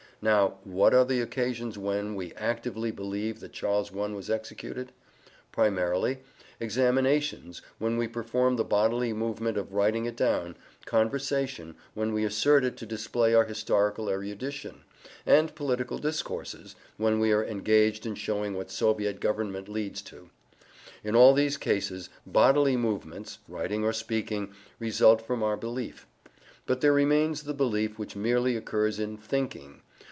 Now, what are the occasions when, we actively believe that Charles I was executed? Primarily: examinations, when we perform the bodily movement of writing it down; conversation, when we assert it to display our historical erudition; and political discourses, when we are engaged in showing what Soviet government leads to. In all these cases bodily movements (writing or speaking) result from our belief. But there remains the belief which merely occurs in "thinking."